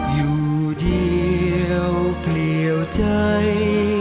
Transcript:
อยู่เดียวเปลี่ยวใจ